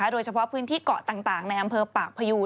โดยเฉพาะพื้นที่เกาะต่างในอำเภอปากพยู